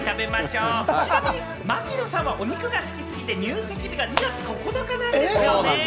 ちなみに槙野さんは、お肉が好きすぎて、入籍日が２月９日なんですよね。